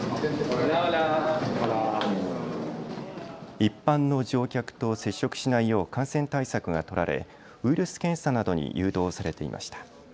一般の乗客と接触しないよう感染対策が取られ、ウイルス検査などに誘導されていました。